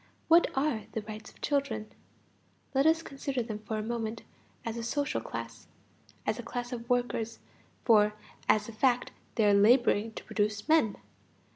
What are the rights of children? Let us consider them for a moment as a social class, as a class of workers, for as a fact they are laboring to produce men.